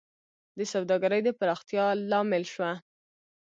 د سوداګرۍ د پراختیا لامل شوه